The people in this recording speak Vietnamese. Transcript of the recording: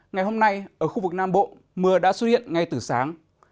ngày hôm nay ở khu vực nam bộ mưa đã xuất hiện ngay từ sáng